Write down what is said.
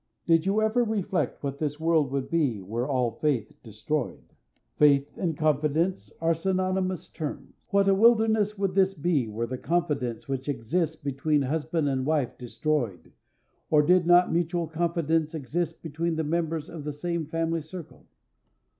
Did you ever reflect what this world would be were all faith destroyed? Faith and confidence are synonymous terms. What a wilderness would this be were the confidence which exists between husband and wife destroyed or did not mutual confidence exist between the members of the same family circle!